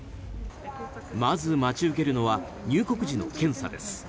まず待ち受けるのは入国時の検査です。